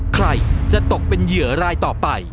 ใครจะตกเป็นเหยื่อรายต่อไป